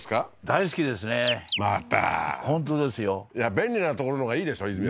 大好きですねまた本当ですよいや便利な所のがいいでしょ泉谷さん